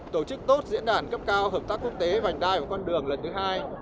tổ chức tốt diễn đàn cấp cao hợp tác quốc tế vành đai và con đường lần thứ hai